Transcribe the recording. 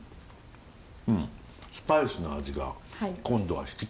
うんスパイスの味が今度は引き立つね。